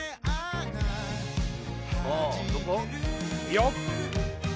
よっ！